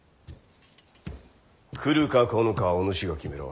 来るか来ぬかはお主が決めろ。